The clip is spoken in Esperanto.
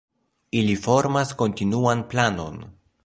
Ili formas kontinuan planon.